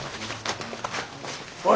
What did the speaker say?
おい！